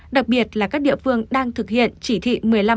đặc biệt là các địa phương đang thực hiện chỉ thị một mươi năm một mươi sáu